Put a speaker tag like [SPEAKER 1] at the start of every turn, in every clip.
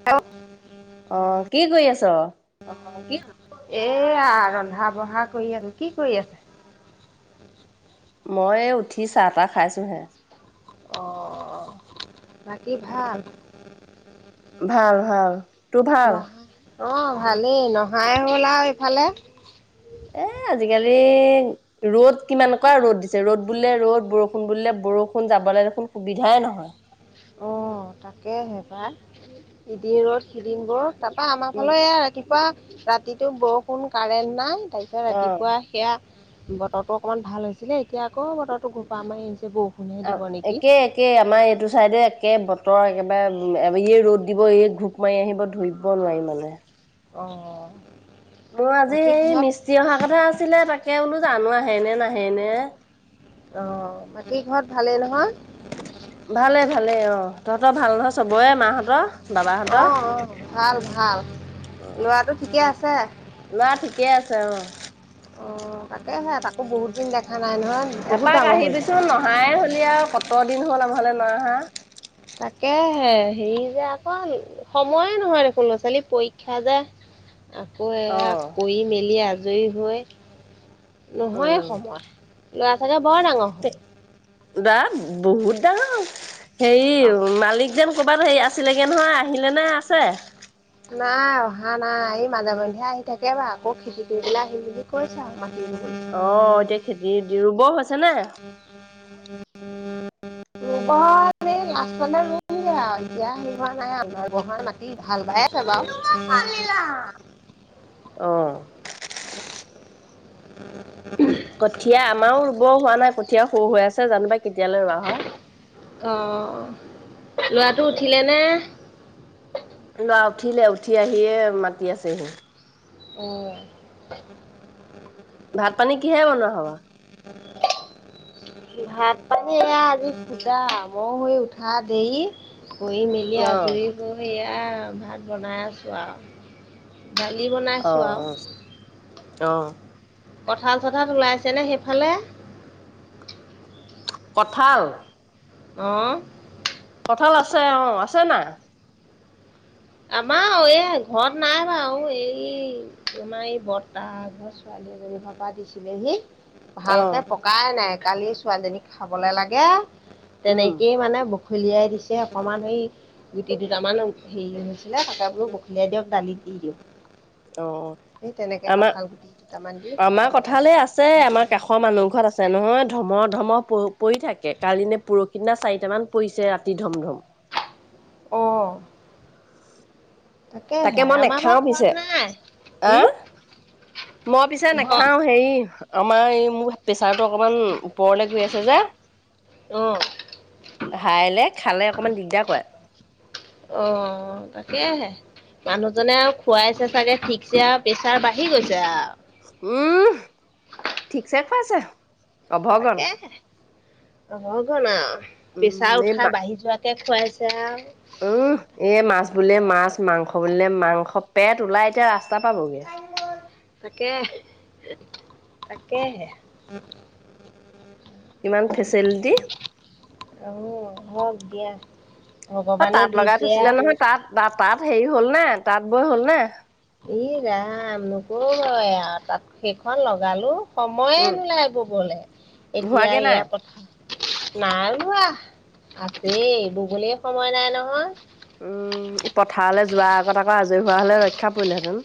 [SPEAKER 1] [inaudible]
[SPEAKER 2] অ', কি কৰি আছ?
[SPEAKER 1] [inaudible] এয়া ৰন্ধা বঢ়া কৰি আছোঁ। কি কৰি আছ
[SPEAKER 2] মই এই উঠি চাহ তাহ খাইছোঁহে।
[SPEAKER 1] অ', বাকী ভাল?
[SPEAKER 2] ভাল, ভাল। তোৰ ভাল?
[SPEAKER 1] নহা অ', ভালেই নহাই হল আৰু এইফালে।
[SPEAKER 2] এ, আজিকালি ৰ'দ কিমান কুৱা ৰ'দ দিছে ৰ'দ বুলে ৰ'দ বৰ বৰষুণ বুলিলে বৰষুণ যাবলে দেখোন সুবিধাই নহয়।
[SPEAKER 1] অ', তাকে হে পাই। ইদিন ৰ'দ সিদিম বৌ, তাপা আমাৰ
[SPEAKER 2] উম
[SPEAKER 1] ফালে এয়া তিপা ৰাতিটো বৰষুণ কাৰেণ্ট নাই, তাৰপিছত
[SPEAKER 2] অ।
[SPEAKER 1] ৰাতিপুৱা সেয়া বতৰটো অকণমান ভাল হৈছিলে, এতিয়া আকৌ বতৰটো ঘোপা মাৰি আহিছে বৰষুণহে দিব নেকি?
[SPEAKER 2] একেই আমাৰ এইটো চাইডে একে বতৰ একেবাৰে ম এই ৰ'দ দিব এই ঘূপ মাৰি আহিব ধৰিব নোৱাৰি মানে।
[SPEAKER 1] অ', অ'
[SPEAKER 2] মোৰ আজি
[SPEAKER 1] বাকী
[SPEAKER 2] সেই
[SPEAKER 1] ঘৰত
[SPEAKER 2] মিস্ত্ৰী অহাৰ কথা আছিলে, তাকে বোলো, জানো আহেই নে, নাহেই নে?
[SPEAKER 1] অ', বাকী ঘৰত ভালেই নহয়?
[SPEAKER 2] ভালে ভালেই, অ', তহতৰ ভাল নহয় চবৰে মাহতৰ,
[SPEAKER 1] অ',
[SPEAKER 2] বাবাহতৰ?
[SPEAKER 1] অ', ভাল, ভাল। ল'ৰাটো ঠিকে আছে।
[SPEAKER 2] ল'ৰা ঠিকে আছে অ'।
[SPEAKER 1] অ', তাকেহে, তাকো বহুত দিন দেখা নাই নহয়, বহুত ডাঙৰ হল ছাগে?
[SPEAKER 2] নাহাই হ'লি আৰু কত দিন হ'ল আমাৰ ঘৰলে নাই অহা।
[SPEAKER 1] তাকে হে, হেৰি যে আকৌ সময়ে নহয় দেখোন, ল'ৰা-ছোৱালী পৰীক্ষা যে। আকৌ
[SPEAKER 2] অ
[SPEAKER 1] এয়া কৰি মেলি আজৰি হৈ নহয়ে
[SPEAKER 2] উম
[SPEAKER 1] সময়, ল'ৰা চাগে বৰ ডাঙৰ হ'ল।
[SPEAKER 2] দা বহুত ডাঙৰ হ'ল, হেৰি
[SPEAKER 1] অ'
[SPEAKER 2] মালিক যেন, ক'ৰবাত হেৰি আছিলেগে নহয়, আহিলে নে আছে?
[SPEAKER 1] নাই অহা নাই, এই মাজে মধ্যে আহি থাকে বাৰু আকৌ খেতি কৰিবলে আহিম বুলি কৈছে আৰু মাতি ৰুবলৈ।
[SPEAKER 2] অ', এতিয়া খেতি দি, ৰুব হৈছে নে?
[SPEAKER 1] ৰুব [unintelligible] এই লাষ্টেলে ৰুমগে আৰু এতিয়া হেৰি হোৱা নাই [unintelligible] মাটি হাল বাই আছে বাৰু।
[SPEAKER 2] আনিলা অ'।
[SPEAKER 1] [unintelligible]
[SPEAKER 2] কঠীয়া আমাৰো ৰুব হোৱা নাই, কঠীয়া সৰু হৈ আছে, জানো পাই কেতিয়ালে ৰোৱা হয়।
[SPEAKER 1] অ', ল'ৰাটো উঠিলে নে?
[SPEAKER 2] ল'ৰা উঠিলে, উঠি আহিয়ে মাতি আছেহি।
[SPEAKER 1] অ'।
[SPEAKER 2] ভাত পানী কিহে বনোৱা হ'ব?
[SPEAKER 1] [unintelligible] ভাত পানী এয়া আজি শুদা, মই সেই উঠা দেৰি। কৰি মেলি আজৰী মই সেয়া ভাত বনাই আছো আৰু দালি বনাই
[SPEAKER 2] অ', অ', অ'।
[SPEAKER 1] কঁঠাল চঠাল ওলাইছেনে সেইফালে?
[SPEAKER 2] কঁঠাল
[SPEAKER 1] অ'।
[SPEAKER 2] কঁঠাল আছে অ', আছে নাই?
[SPEAKER 1] আমাৰ এই ঘৰত নাই বাৰু, এই তোমাৰ এই বৰ্তা হতৰ ছোৱালী এজনী ঘৰপা দিছিলেহি। ভালকে
[SPEAKER 2] অ',
[SPEAKER 1] পকাই নাই, কালি ছোৱালীজনীক খাবলে লাগে,
[SPEAKER 2] উম,
[SPEAKER 1] তেনেকেই মানে ব খলিয়াই দিছে, অকণমান সেই গোটি দুটামান হেৰি [unintelligible] চিলে তাকে বোলো বখলিয়াই দিয়ক, দালিত দি দিওঁ।
[SPEAKER 2] অ',
[SPEAKER 1] সেই তেনেকে
[SPEAKER 2] আমাৰ,
[SPEAKER 1] কঁঠাল গুটি দুটামান দি পিঠা
[SPEAKER 2] আমাৰ কঠাল
[SPEAKER 1] বনাইছো।
[SPEAKER 2] এই আছে, আমাৰ কাষৰ মানুহ ঘৰত আছে। আছে নহয়, ধমহ ধমহ প, পৰি থাকে, কালিনে পৰহি দিনা চাৰিটামান পৰিছে ৰাতি ধম, ধম।
[SPEAKER 1] অ'।
[SPEAKER 2] তাকে
[SPEAKER 1] তাকেহে
[SPEAKER 2] মই
[SPEAKER 1] আমাৰ বাৰু
[SPEAKER 2] নেখাও
[SPEAKER 1] ঘৰত
[SPEAKER 2] পিছে,
[SPEAKER 1] নাই।
[SPEAKER 2] আ?
[SPEAKER 1] হুম?
[SPEAKER 2] মই পিছে
[SPEAKER 1] ঘৰ
[SPEAKER 2] নাখাওঁ, হেৰি আমাৰ এই, মোৰ প্ৰেচাৰটো অকমান ওপৰলে গৈ আছে যে,
[SPEAKER 1] অ',
[SPEAKER 2] হাইলে, খালে অকণমান দিগদাৰ কৰে।
[SPEAKER 1] অ', তাকেহে। মানুহজনে আৰু খুৱাইছে চাগে ঠিকছে আৰু প্ৰেছাৰ বাঢ়ি গৈছে আৰু।
[SPEAKER 2] উম, ঠিকছে খুৱাইছে। অভগন,
[SPEAKER 1] তাকেহে ৰহগনা আৰু পেছা
[SPEAKER 2] উম, এই
[SPEAKER 1] উঠা বাঢ়ি যোৱা তে খুৱাইছে আৰু।
[SPEAKER 2] উস, এই মাছ বুলিয়ে মাছ, মাংস বুলিলে মাংস, পেট ওলাই এতিয়া ৰাস্তা পাবগে।
[SPEAKER 1] তাকে, তাকেহে।
[SPEAKER 2] ইমান ফেচিলিটি।
[SPEAKER 1] অহ, হওক দিয়া, ভগৱানে দিছে আৰু।
[SPEAKER 2] তাত ত তাত হেৰি হ'ল নে? তাঁত বৈ হ'লনে?
[SPEAKER 1] ই ৰাম, নকবয় আৰু, তাত সেইখন লগালো। সময়েই
[SPEAKER 2] উম
[SPEAKER 1] নোলায় ববলে, এতিয়া
[SPEAKER 2] হোৱাগে নাই
[SPEAKER 1] এইয়া পথাৰ নাই বোৱা, আছেই, ববলেই সময় নাই নহয়।
[SPEAKER 2] উম, পথাৰলে যোৱাৰ আগত আকৌ আজৰি হোৱা হ'লে ৰক্ষা পৰিলেহেতেন।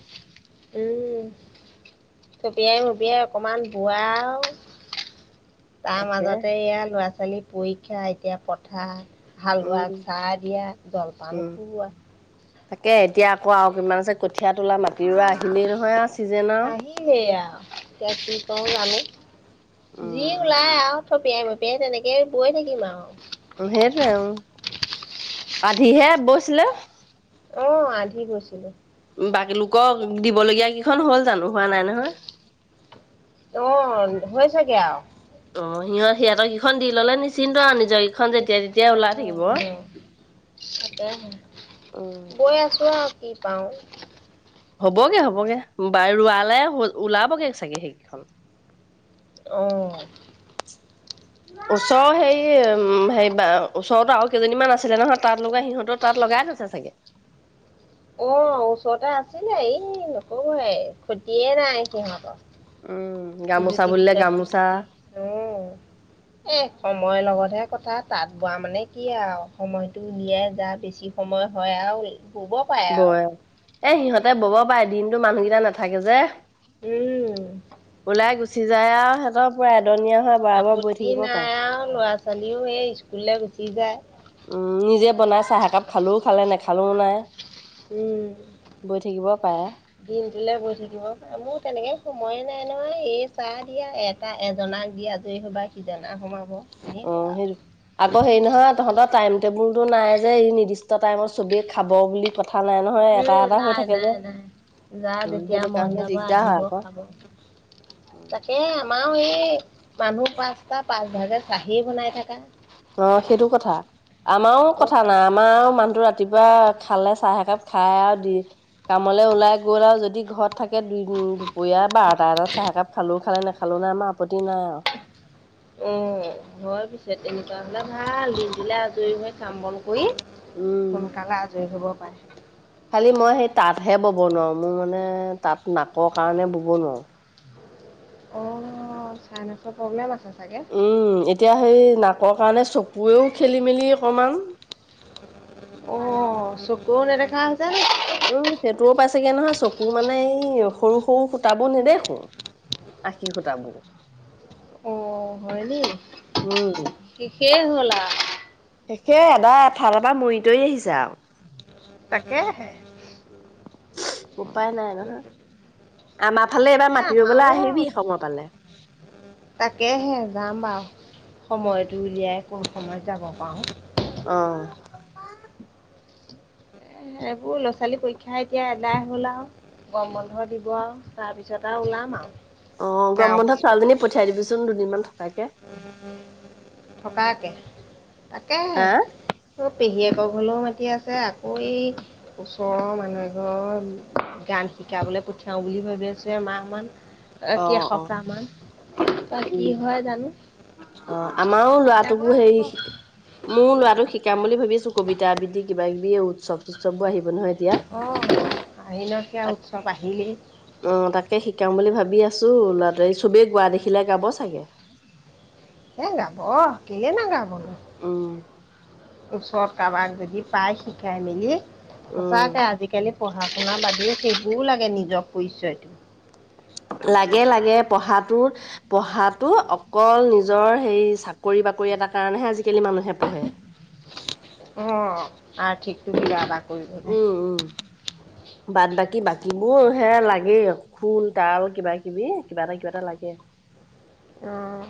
[SPEAKER 1] উম, থপিয়াই মপিয়াই অকমান বোৱা আৰু। তাৰ
[SPEAKER 2] তাকে
[SPEAKER 1] মাজতে এইয়া ল'ৰা ছোৱালী পৰীক্ষা, এতিয়া পথাৰ।
[SPEAKER 2] উম
[SPEAKER 1] হালোৱাক চাহ দিয়া, জলপান খুওৱা।
[SPEAKER 2] তাকেহে, এতিয়া আকৌ আৰু কেইদিনমানৰ পিছত কঠিয়া তোলা, মাটি ৰুৱা আহিলেই নহয় আৰু চিজন আৰু।
[SPEAKER 1] সেইয়া, এতিয়া কি কৰোঁ জানো। যি
[SPEAKER 2] উম
[SPEAKER 1] ওলাই আৰু, থপিয়াই মপিয়াই তেনেকেই বৈ থাকিম আৰু।
[SPEAKER 2] উম, সেইটোৱেই, উম, আধিহে হে বৈছিলে।
[SPEAKER 1] অ', আধি বৈছিলো।
[SPEAKER 2] বাকী লোকক দিবলগীয়া কেইখন হ'ল জানো? হোৱা নাই নহয়।
[SPEAKER 1] অ', হৈচেগে আৰু।
[SPEAKER 2] অ', সিহঁত সিহঁতৰকেইখন দি ল'লে নিশ্চিন্ত আৰু। নিজৰকেইখন যেতিয়া তেতিয়াই ওলাই থাকিব।
[SPEAKER 1] তাকেহে
[SPEAKER 2] উম
[SPEAKER 1] বৈ আছো আৰু কি পাওঁ।
[SPEAKER 2] হ'বগে হ'বগে, বায় ৰোৱালে ওলাবগে চাগে সেইকেইখন।
[SPEAKER 1] অহ।
[SPEAKER 2] [unintelligible]
[SPEAKER 1] [unintelligible]
[SPEAKER 2] ওচৰৰ হেৰি, উম হৰি ওচৰতো আৰু কেইজনীমান আছিলে নহয়, তাত লগোৱা, সিহঁতৰ তাত লগাই থৈছে চাগে।
[SPEAKER 1] অ', ওচৰতে আছিলে, এই নকবই খতিয়েই নাই সিহঁতৰ।
[SPEAKER 2] উম, গামোচা বুলিলে গামোচা।
[SPEAKER 1] অ', এই হে সময়ৰ লগতহে কথা, তাত বোৱা মানে কি আৰু সময়টো উলিয়াই যাৰ বেছি সময় হয় আৰু শুব।
[SPEAKER 2] বয়। এই সিহঁতে ব'ব পাৰে, দিনটো মানুহকেইটা নাথাকে যে।
[SPEAKER 1] উম।
[SPEAKER 2] ওলাই গুচি যায় আৰু, সিহঁতৰ পুৰা এদনীয়া হয়। বৰাবৰ বৈ
[SPEAKER 1] আপত্তি
[SPEAKER 2] থাকিব পাৰে
[SPEAKER 1] নাই আৰু ল'ৰা ছোৱালীও সেই স্কুললৈ গুচি যায়।
[SPEAKER 2] উম', নিজে বনাই চাহ একাপ খালেও খালে, নেখালেও নাই।
[SPEAKER 1] উম'
[SPEAKER 2] বৈ থাকিব পাৰে
[SPEAKER 1] দিনটোলে কৈছোঁ নহয়, মোৰ তেনেকে সময়ে নাই নহয়। এই চাহ দিয়া এ এটা এজনাক দি আজৰি হবা সিজনা সোমাব। এনেকুৱা
[SPEAKER 2] অঁ
[SPEAKER 1] আৰু।
[SPEAKER 2] সেইটো। আকৌ হেৰি নহয় তহঁতৰ টাইম টেবুল টো নাই যে, এই নিৰ্দিষ্ট টাইমত চবেই খাব বুলি কথা নাই ন? হয়' এটা
[SPEAKER 1] উম
[SPEAKER 2] এটা হৈ
[SPEAKER 1] নাই
[SPEAKER 2] থাকে যে,
[SPEAKER 1] নাই নাই যাৰ
[SPEAKER 2] উমঁ
[SPEAKER 1] যেতিয়া
[SPEAKER 2] সেইটো
[SPEAKER 1] মন
[SPEAKER 2] কাৰণে
[SPEAKER 1] যাব
[SPEAKER 2] দিগদাৰ হয় আক। অঁ।
[SPEAKER 1] তাকেই আমাৰো এই, মানুহ পাঁচটা পাঁচভাগে চাহেই বনাই থাকে।
[SPEAKER 2] অঁ সেইটো কথা। আমাৰো
[SPEAKER 1] আকৌ
[SPEAKER 2] কথা নাই।
[SPEAKER 1] ভাত।
[SPEAKER 2] আমাৰো মানুহটো ৰাতিপুৱাই খালে, চাহ একাপ খায় আৰু দি- কামলৈ ওলাই গ'ল আৰু যদি, ঘৰত থাকে- তাকে দুই দুপৰীয়া বাৰটা, এটাত চাহ একাপ খালেও খালে, নেখালেও নাই। আমাৰ আপত্তি নাই আও।
[SPEAKER 1] ওম হয় পিছে, তেনেকুৱা হ'লে ভাল। দিনটোলে আজৰি হৈ কাম বন কৰি
[SPEAKER 2] উম
[SPEAKER 1] সোনকালে আজৰি হ'ব পাৰে।
[SPEAKER 2] খালি মই সেই তাঁতহে ব'ব নোৱাৰোঁ, মোৰ মানে তাঁত নাকৰ কাৰণে ব'ব নোৱাৰোঁ।
[SPEAKER 1] অঁ চাইনাছৰ প্ৰব্লেম আছে। চাগে
[SPEAKER 2] উমঁ, এতিয়া সেই নাকৰ কাৰণে চকুৰেও খেলি মেলি অকমান।
[SPEAKER 1] অঁ চকুৰেও নেদেখা হৈছা নেকি?
[SPEAKER 2] উমঁ সেইটোও পাইছেগে নহয় চকু মানে এই সৰু সৰু ফুটাবোব নেদেখোঁ। আশী সুতাবোৰ।
[SPEAKER 1] অঁ হয়নি,
[SPEAKER 2] উম,
[SPEAKER 1] শেষেই হলআ।
[SPEAKER 2] শেষেই আদা এফালৰ পৰা মৰি তৰি আহিছে আও।
[SPEAKER 1] তাকেহে
[SPEAKER 2] উপাই নাই নহয়। আমাৰ ফালে এইবাৰ
[SPEAKER 1] এ
[SPEAKER 2] মাটি ৰুবলৈ
[SPEAKER 1] আমাৰো
[SPEAKER 2] আহিবি সময় পালে।
[SPEAKER 1] তাকেহে যাম বাৰু, সময়তটো উলিয়াই কোন সময়ত যাব পাওঁ।
[SPEAKER 2] অঁ!
[SPEAKER 1] এইবোৰ ল'ৰা -ছোৱালী পৰীক্ষা, এতিয়া এদাই হ'ল আও গৰম বন্ধ দিব আও, তাৰ পিছত আও ওলাম আও
[SPEAKER 2] অঁ গৰম বন্ধত ছোৱালজনী পঠিয়াই দিবিচোন, দুদিনমান থকাকে।
[SPEAKER 1] উমঁ উমঁ থকাকে, তাকেহে।
[SPEAKER 2] হা
[SPEAKER 1] তো পেহীয়েকৰ ঘৰলেও মাতি আছে আকৌ এই- ওচৰৰ মানুহ এঘৰত গান শিকাবলৈ পঠিয়াও বুলি ভাবি আছে। এমাহ মান- তাইক
[SPEAKER 2] অ', অ',
[SPEAKER 1] এসপ্তাহ মান বা কি হয় জানো
[SPEAKER 2] অঁ আমাৰো
[SPEAKER 1] যাব
[SPEAKER 2] ল'ৰাটোকো হেৰি
[SPEAKER 1] যাব
[SPEAKER 2] শি মোৰ ল'ৰা- লৰাটোক শিকাম বুলি ভাবিছোঁ কবিতা আবৃত্তি কিবা- কিবি এই উৎসৱ চুৎস বোৰ আহিব নহয় এতিয়া।
[SPEAKER 1] অঁ আহিনত সেয়া উৎসৱ আহিলেই।
[SPEAKER 2] অঁ তাকে শিকাম বুলি ভাবি আছোঁ ল'ৰাটোৱে চবেই গোৱা দেখিলে গাব চাগে।
[SPEAKER 1] এ গাব, কেলেই নগাব।
[SPEAKER 2] উমঁ!
[SPEAKER 1] ওচৰত কাৰবাক যদি পাই, শিকাই মেলি
[SPEAKER 2] উম
[SPEAKER 1] সচাঁকে আজিকালি- এনেই পঢ়া শুনাৰ বাদেও সেইবোৰও লাগে নিজৰ পৰিচয়।
[SPEAKER 2] লাগে, লাগে পঢ়াটো- পঢ়টো, অকল নিজৰ সেই চাকৰি বাকৰি এটাৰ কাৰণেহে আজিকালি মানুহে পঢ়ে।
[SPEAKER 1] অঁ আৰ্থিকটো কিবা এটা কৰিবলে।
[SPEAKER 2] উম উম বাদ বাকী, বাকীবোৰ হে লাগেই। খোল -তাল কিবা কিবি কিবা এটা কিবা এটা লাগে।
[SPEAKER 1] আহ!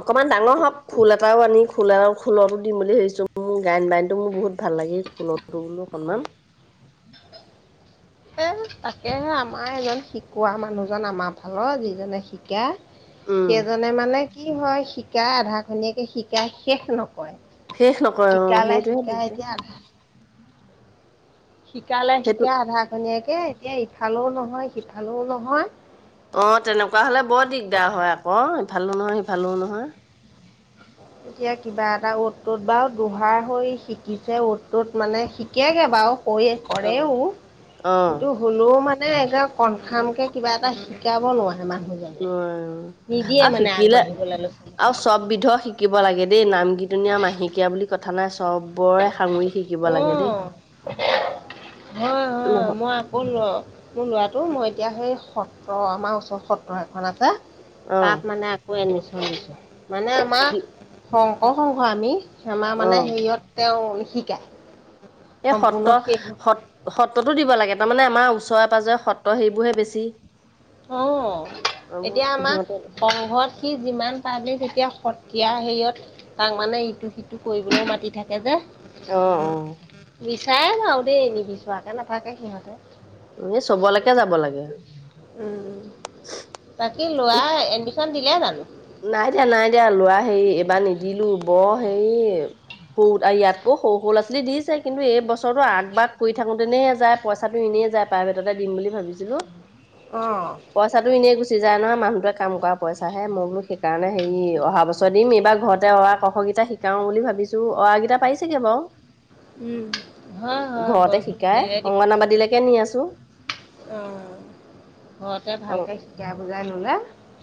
[SPEAKER 2] অকমান ডাঙৰ হওঁক, খোল এটাও আনি খোল আৰু খোলতো দিম বুলি ভাবিছোঁ। মোৰ গায়ন বায়নতটো মোৰ বহুত ভাল লাগিল, [unintelligible] বোলো অকণমান।
[SPEAKER 1] এ, তাকেহে আমাৰ এজন শিকোৱা মানুহজন, আমাৰ ফালৰ যিজনে শিকাই
[SPEAKER 2] উম
[SPEAKER 1] সেইজনে মানে, কি হয় শিকাই আধাখনিয়াকে শিকাই শেষ
[SPEAKER 2] শেষ
[SPEAKER 1] নকৰে।
[SPEAKER 2] নকৰে অ
[SPEAKER 1] শিকালে
[SPEAKER 2] সেইটোহে
[SPEAKER 1] শিকা
[SPEAKER 2] দিগদাৰ
[SPEAKER 1] এতিয়া আধা শিকালে
[SPEAKER 2] সেইটো
[SPEAKER 1] শিকাই আধাখনীয়াকে এতিয়া ইফালেও নহয় সিফালেও নহয়।
[SPEAKER 2] অ', তেনেকুৱা হ'লে বৰ
[SPEAKER 1] সেইটো কথা
[SPEAKER 2] দিগদাৰ হয় আকৌ, ইফালো নহয় সিফালো নহয়।
[SPEAKER 1] এতিয়া কিবা এটা অ'ত তত বাও দোহাৰ হৈ শিকিছে অ'ত তত মানে [unintelligible] বাৰু কৈ
[SPEAKER 2] অ
[SPEAKER 1] কৰেও
[SPEAKER 2] অ
[SPEAKER 1] গলেও মানে একে কনফাৰ্মকে কিবা এটা শিকাব নোৱাৰে মানুহ
[SPEAKER 2] [unintelligible] আৰু শিকিলে
[SPEAKER 1] আগবাঢ়িবলৈ ল'ৰা ছোৱালী
[SPEAKER 2] আৰু চব বিধ শিকিব লাগে দেই নাম কীৰ্তনী আৰু মাহেকীয়া বুলি কথা নাই চবৰে সাামৰি শিক শিকিব লাগে
[SPEAKER 1] অঁ
[SPEAKER 2] দেই,
[SPEAKER 1] হয় হয়
[SPEAKER 2] [unintelligible]
[SPEAKER 1] মই আকৌ মোৰ ল'ৰাটো মই এতিয়া সেই সত্ৰ আমাৰ ওচৰৰ সত্ৰ এখন আছে
[SPEAKER 2] অ
[SPEAKER 1] তাত মানে আকৌ এডমিছন দিছোঁ। মানে আমাৰ শংকৰ শংস আমি আমাৰ
[SPEAKER 2] অ
[SPEAKER 1] মানে হেৰিয়ত তেওঁ শিকায়।
[SPEAKER 2] এই
[SPEAKER 1] সম্পূৰ্ণ
[SPEAKER 2] সত্ৰত
[SPEAKER 1] শেষ
[SPEAKER 2] সত-সত্ৰতো দিব লাগে। তাৰমানে আমাৰ ওচৰে পাঁজৰে সত্ৰ সেইবোৰহে বেছি।
[SPEAKER 1] অ',
[SPEAKER 2] অ
[SPEAKER 1] এতিয়া আমাক
[SPEAKER 2] সিহঁতে
[SPEAKER 1] সংঘত সি যিমান পাৰিল তেতিয়া সত্ৰীয়া হেৰিয়ত তাক মানে ইটো সিটো কৰিবলৈও মাতি থাকে যে।
[SPEAKER 2] অ', অ'।
[SPEAKER 1] বিচাৰে বাও দেই, এ নিবিচোৱাকে নাথাকে সিহঁতে।
[SPEAKER 2] এনে চবলৈকে যাব লাগে।
[SPEAKER 1] উম, তাকি লৰা এডমিশন দিলে জানো।
[SPEAKER 2] নাই দিয়া নাই দিয়া, লৰা হেৰি এবাৰ নিদিলো বৰ হেৰি [unintelligible] ইয়াতকেও সৰু সৰু লৰা ছোৱালী দিছে কিন্তু এই বছৰটো আগ বাগ কৰি থাকোতেনেহে যায় পইচাটো এনেই যায়, প্ৰাইভেটতে দিম বুলি ভাবিছিলো।
[SPEAKER 1] অ'।
[SPEAKER 2] পইচাটো এনেই গুচি যায় নহয়, মানুহটোৱে কাম কৰা পইচাহে মই বুলো সেইকাৰণে হেৰি অহা বছৰ দিম। এইবাৰ ঘৰতে অ, আ, ক, খ কেইটা শিকাওঁ বুলি ভাবিছোঁ, অ, আ কেইটা পাৰিছেগৈ বাৰু।
[SPEAKER 1] উম, হয় হয়,
[SPEAKER 2] ঘৰতে
[SPEAKER 1] বয়সটো
[SPEAKER 2] শিকাই
[SPEAKER 1] [unintelligible] দিব
[SPEAKER 2] অংগনাবাদীলৈকে নি আছো
[SPEAKER 1] [unintelligible] অ', ঘৰতে
[SPEAKER 2] অ
[SPEAKER 1] ভালকে শিকাই বুজাই ললে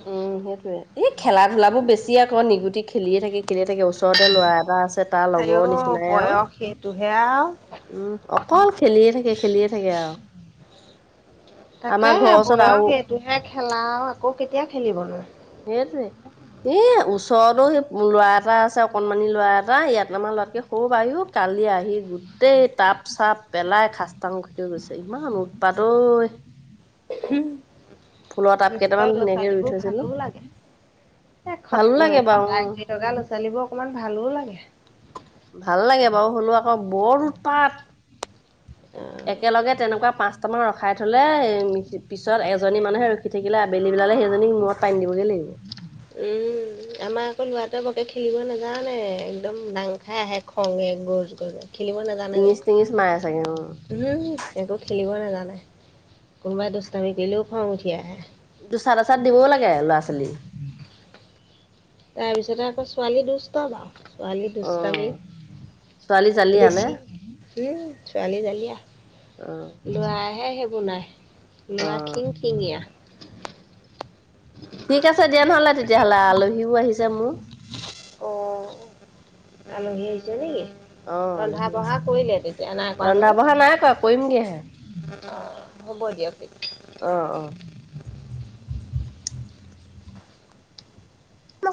[SPEAKER 2] উম, সেইটোয়ে। এই খেলা ধূলাবোৰ বেছি আকৌ, নিগুটি খেলিয়ে থাকে খেলিয়ে থাকে ওচৰতে ল'ৰা এটা আছে, তাৰ
[SPEAKER 1] আইও
[SPEAKER 2] লগৰৰ নিচিনাই আৰু।
[SPEAKER 1] বয়স সেইটোহে আৰু
[SPEAKER 2] উম, অকল খেলিয়ে থাকে খেলিয়ে থাকে আৰু।
[SPEAKER 1] তাকে
[SPEAKER 2] আমাৰ ঘৰৰ ওচৰত আৰু
[SPEAKER 1] [unintelligible] খেলা আৰু আকৌ কেতিয়া খেলিবনো।
[SPEAKER 2] সেইটোৱে। এ, ওচৰতো সেই ল'ৰা এটা আছে, অকনমানি ল'ৰা এটা ইয়াত আমাৰ লৰাতকে [unintelligible] কালি আহি গোট [unintelligible] টাপ চাপ পেলাই খাস্তাং কৰি থৈ গৈছে ইমান উৎপাত ঐ। ফুলৰ টাব
[SPEAKER 1] দুষ্ট।
[SPEAKER 2] কেইটামান ধুনীয়াকে
[SPEAKER 1] [unintelligible]
[SPEAKER 2] ৰুই
[SPEAKER 1] এইবোৰ
[SPEAKER 2] থৈছিলো
[SPEAKER 1] ভালো লাগে, এ [unintelligible] [unintelligible]
[SPEAKER 2] ভালো লাগে বাৰু অ
[SPEAKER 1] ল'ৰাোৱালীবোৰ অকণমান ভালো লাগে।
[SPEAKER 2] ভাল লাগে বাৰু হলেও আকৌ বৰ উৎপাত।
[SPEAKER 1] অ',
[SPEAKER 2] একেলগে তেনেকুৱা পাঁচটামান ৰখাই থলে পিছত এজনী মানে হে সি থাকিলে আবেলি বিলাকে সেইজনী মূৰত পানী দিবগৈ লাগিব।
[SPEAKER 1] এই আমাৰ আকৌ লৰাটোৱে বকে খেলিব নাযানে একদম দাং খাই আহে খঙে গজ গজে। খেলিব নাজানে যে।
[SPEAKER 2] টিঙিচ টিঙিচ মাৰে চাগে অ
[SPEAKER 1] হুম একো খেলিব নাজানে, কোনোবাই দুষ্টামি কৰিলেও খনং উঠি আহে।
[SPEAKER 2] দুচাট এচাট দিবও লাগে ল'ৰা ছোৱালী।
[SPEAKER 1] তাৰপিছতে আকৌ ছোৱালী দুষ্টম বাওঁ, ছোৱালী
[SPEAKER 2] অ
[SPEAKER 1] দুষ্টামি।
[SPEAKER 2] ছোৱালী জালি আনে
[SPEAKER 1] বেছি উম ছোৱালী জালীয়া।
[SPEAKER 2] অঁ।
[SPEAKER 1] লৰাহে সেইবোৰ নাই
[SPEAKER 2] অ
[SPEAKER 1] লৰা খিং খিঙীয়া।
[SPEAKER 2] ঠিক আছে দিয়া নহলে তেতিয়া হ'লে আলহীও আহিছে মোৰ।
[SPEAKER 1] অহ আলহী আহিছে নেকি?
[SPEAKER 2] অ
[SPEAKER 1] ৰন্ধা
[SPEAKER 2] আলহী
[SPEAKER 1] বঢ়া কৰিলে তেতিয়া নাই কৰা
[SPEAKER 2] ৰন্ধা
[SPEAKER 1] নহয়?
[SPEAKER 2] বঢ়া নাই কৰা কৰিমগেহে
[SPEAKER 1] অ হ'ব দিয়ক তে
[SPEAKER 2] অ অ। অ